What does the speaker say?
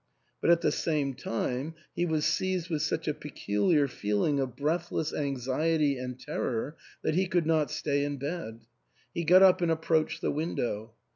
But at the same time he was seized with such a peculiar feeling of breathless anxiety and terror that he could not stay in bed. He got up and approached the window.